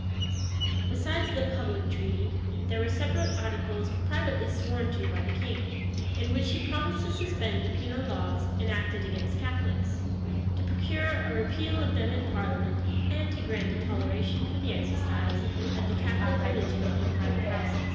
Besides the public treaty, there were separate articles, privately sworn to by the king; in which he promised to suspend the penal laws enacted against Catholics, to procure a repeal of them in parliament, and to grant a toleration for the exercise of the Catholic religion in private houses.